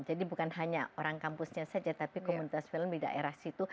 jadi bukan hanya orang kampusnya saja tapi komunitas film di daerah situ